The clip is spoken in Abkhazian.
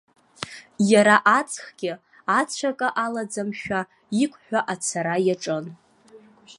Иара аҵхгьы, ацәа акы алаӡамшәа, иқәҳа ацара иаҿын.